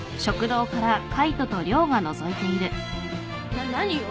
な何よ。